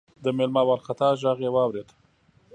د مېلمه وارخطا غږ يې واورېد: